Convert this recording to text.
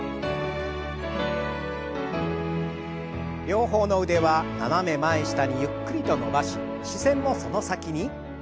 両方の腕は斜め前下にゆっくりと伸ばし視線もその先に。